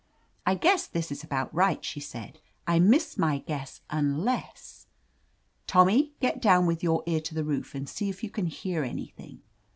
"I guess this is about right," she said. "I miss my guess, unless — Tommy, get down with your ear to the roof and see if you hear anything."